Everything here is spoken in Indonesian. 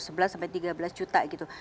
sebelas sampai tiga belas juta gitu